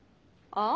ああ！